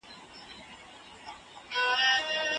لومړۍ ماسټري يې هم د سياسي علومو په څانګه کې وه.